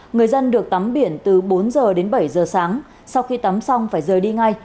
người dân được tắm biển từ bốn giờ đến bảy giờ sáng sau khi tắm xong phải rời đi ngay